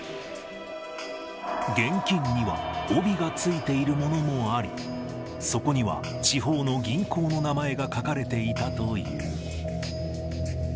現金には帯がついているものもあり、そこには地方の銀行の名前が書かれていたという。